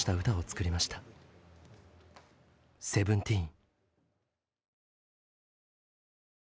「セブンティーン」。